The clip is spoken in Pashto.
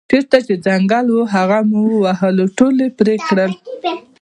چېرته چې ځنګل و هغه مو وواهه ټول یې پرې کړل.